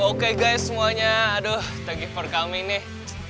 oke guys semuanya aduh thank you for coming nih